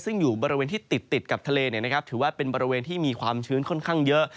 ซึ่งอยู่บริเวณที่ติดกับทะเลถือว่าเป็นบริเวณที่มีความชื้นค่อนข้างเยอะ